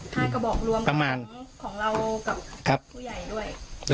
กระบอกรวมของเรากับผู้ใหญ่ด้วย